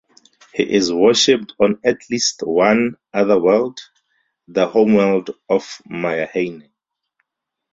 He is worshiped on at least one other world, the homeworld of Mayaheine.